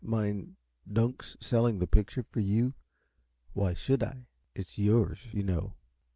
"Mind Dunk's selling the picture for you? Why should I? It's yours, you know."